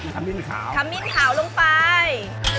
คะมินขาวคะมินขาวลงไป